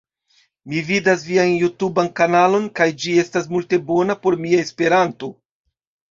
Mi vidas vian jutuban kanalon kaj ĝi estas multe bona por mia Esperanto